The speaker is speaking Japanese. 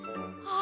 あ。